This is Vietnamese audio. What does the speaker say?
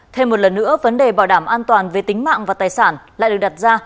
thêm một lần nữa vấn đề bảo đảm an toàn về tính mạng và tài sản lại được đặt ra